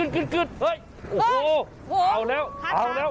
กึ๊ดกึ๊ดเฮ้ยโอ้โหเอาแล้วเอาแล้ว